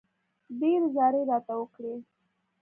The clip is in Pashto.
ډېرې زارۍ راته وکړې.